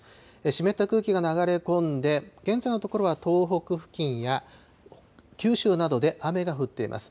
湿った空気が流れ込んで、現在のところは東北付近や九州などで雨が降っています。